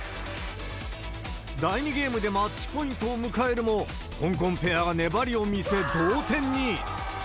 第２ゲームでマッチポイントを迎えるも、香港ペアが粘りを見せ、同点に。